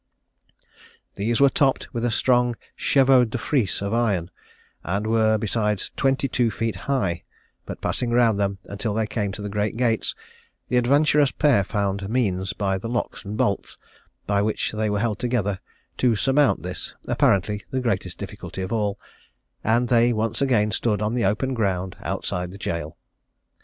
These were topped with a strong chevaux de frise of iron, and were besides twenty two feet high; but passing round them until they came to the great gates, the adventurous pair found means by the locks and bolts, by which they were held together, to surmount this, apparently the greatest difficulty of all, and they once again stood on the open ground outside the gaol.